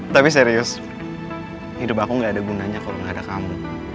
tapi serius hidup aku gak ada gunanya kalau nggak ada kamu